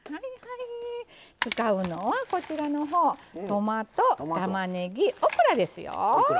使うのはこちらのほうトマトたまねぎオクラですよ。